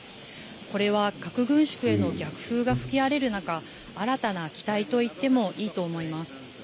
これは核軍縮への逆風が吹き荒れる中、新たな期待といってもいいと思います。